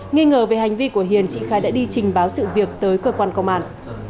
nghi ngờ về hành vi của hiền chị khai đã đi trình báo sự việc tới cơ quan công an